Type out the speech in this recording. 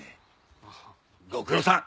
ご苦労さん。